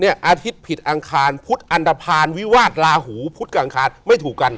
อาทิตย์ผิดอังคารพุธอันตภัณฑ์วิวาสลาหูพุธกับอังคารไม่ถูกกัน